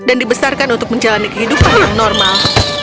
dan dibesarkan untuk menjalani kehidupan yang normal